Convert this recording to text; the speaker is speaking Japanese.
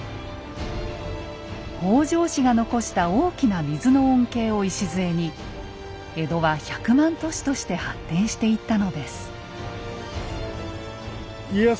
北条氏が残した大きな水の恩恵を礎に江戸は百万都市として発展していったのです。